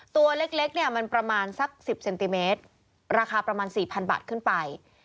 ตัวเล็กเนี่ยมันประมาณสัก๑๐เซนติเมตรราคาประมาณ๔๐๐บาทขึ้นไป